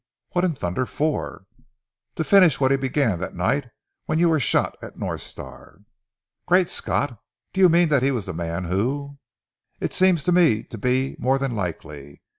What in thunder for?" "To finish what he began that night when you were shot at North Star!" "Great Scott! Do you mean that he was the man who " "It seems to me to be more than likely.